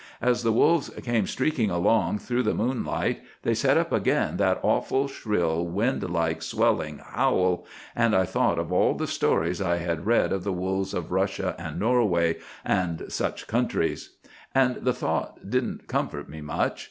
As the wolves came streaking along through the moonlight, they set up again that awful, shrill, wind like, swelling howl, and I thought of all the stories I had read of the wolves of Russia and Norway, and such countries; and the thought didn't comfort me much.